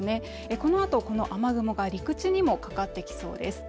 このあとこの雨雲が陸地にもかかってきそうです